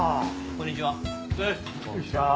こんにちは。